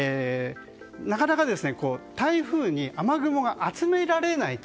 なかなか台風に雨雲が集められないと。